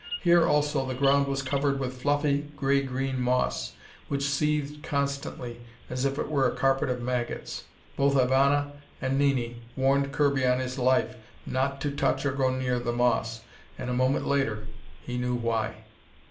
Here also, the ground was covered with fluffy, grey green moss which seethed constantly as if it were a carpet of maggots. Both Ivana and Nini warned Kirby on his life not to touch or go near the moss, and a moment later he knew why.